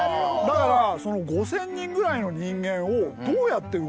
だから５，０００人ぐらいの人間をどうやって動かすか。